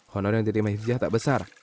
honor yang diterima hijah tak besar